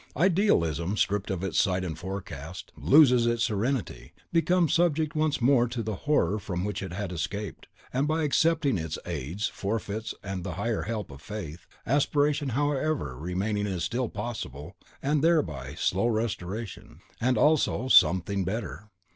Idealism, stripped of in sight and forecast, loses its serenity, becomes subject once more to the horror from which it had escaped, and by accepting its aids, forfeits the higher help of Faith; aspiration, however, remaining still possible, and, thereby, slow restoration; and also, SOMETHING BETTER.